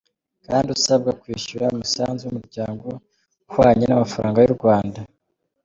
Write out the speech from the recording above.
kandi usabwa kwishyura umusanzu w’Umuryango uhwanye n’amafaranga y’u Rwanda